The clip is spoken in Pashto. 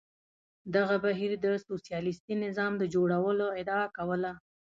دغه بهیر د سوسیالیستي نظام د جوړولو ادعا کوله.